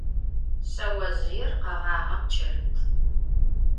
Şseozjıêr kheğağem ç'erıt.